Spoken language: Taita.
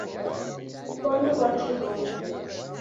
Mkonu ghwa kiw'omi